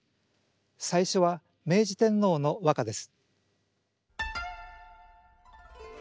最初は明治天皇の和歌です。